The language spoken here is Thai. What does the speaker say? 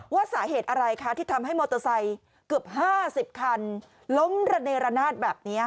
ว่าสาเหตุอะไรคะที่ทำให้มอเตอร์ไซค์เกือบ๕๐คันล้มระเนรนาศแบบนี้